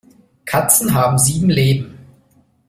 Katzen haben sieben Leben.